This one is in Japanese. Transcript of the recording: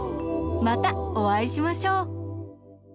またおあいしましょう！